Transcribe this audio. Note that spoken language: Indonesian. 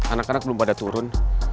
anak anak belum pada turun